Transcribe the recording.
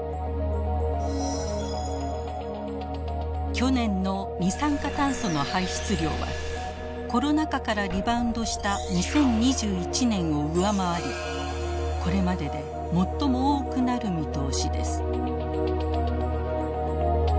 去年の二酸化炭素の排出量はコロナ禍からリバウンドした２０２１年を上回りこれまでで最も多くなる見通しです。